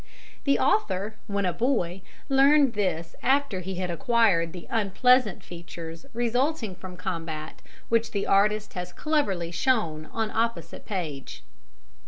The author, when a boy, learned this after he had acquired the unpleasant features resulting from combat which the artist has cleverly shown on opposite page.